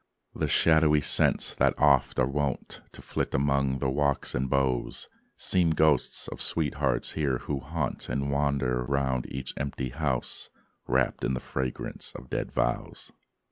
The shadowy scents, that oft are wont To flit among the walks and boughs, Seem ghosts of sweethearts here who haunt And wander round each empty house, Wrapped in the fragrance of dead vows.